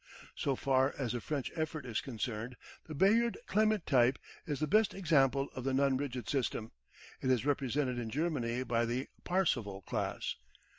So far as the French effort is concerned the Bayard Clement type is the best example of the non rigid system; it is represented in Germany by the Parseval class.